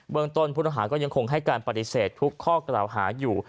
เมืองต้นผู้ต้องหาก็ยังคงให้การปฏิเสธทุกข้อกล่าวหาอยู่